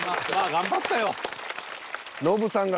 頑張ったよ。